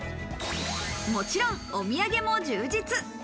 もちろんお土産も充実。